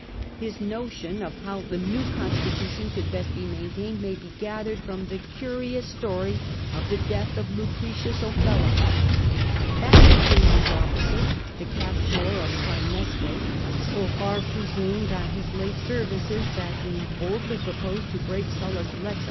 His notion of how the new constitution could best be maintained may be gathered from the curious story of the death of Lucretius Ofella. That distinguished officer, the captor of Praeneste, so far presumed on his late services that he boldly proposed to break Sulla's Lex A.